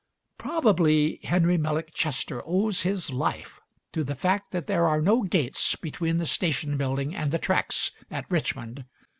Probably Henry Millick Chester owes his life to the fact that there are no gates between the station building and the tracks at Richmond.